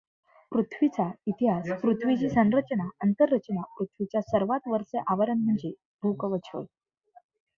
पृथ्वीचा इतिहास पृथ्वीची संरचना आंतररचना पृथ्वीच्या सर्वांत वरचे आवरण म्हणजे भूकवच होय.